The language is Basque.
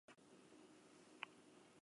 Getariako antxoak ez dira nolanahikoak.